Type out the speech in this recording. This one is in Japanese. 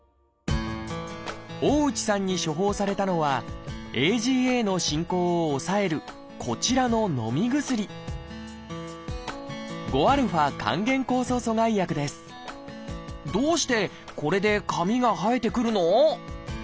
大内さんに処方されたのはＡＧＡの進行を抑えるこちらののみ薬どうしてこれで髪が生えてくるの？